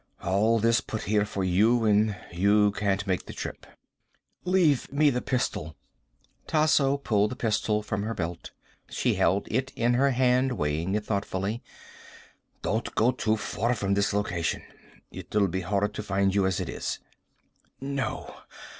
All this put here for you, and you can't make the trip." "Leave me the pistol." Tasso pulled the pistol from her belt. She held it in her hand, weighing it thoughtfully. "Don't go too far from this location. It'll be hard to find you, as it is." "No.